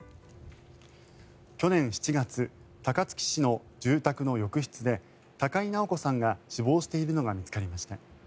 去年７月高槻市の住宅の浴室で高井直子さんが死亡しているのが見つかりました。